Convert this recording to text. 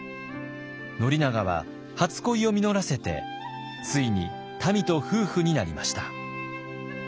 宣長は初恋を実らせてついにたみと夫婦になりました。